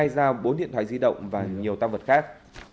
hai dao bốn điện thoại di động và nhiều tam vật khác